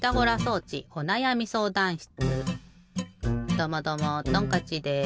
どうもどうもトンカッチです！